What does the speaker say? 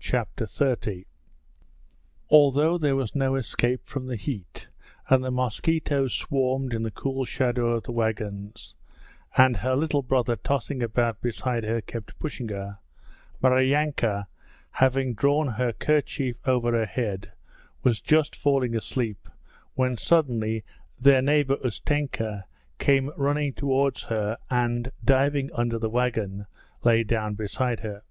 Chapter XXX Although there was no escape from the heat and the mosquitoes swarmed in the cool shadow of the wagons, and her little brother tossing about beside her kept pushing her, Maryanka having drawn her kerchief over her head was just falling asleep, when suddenly their neighbour Ustenka came running towards her and, diving under the wagon, lay down beside her.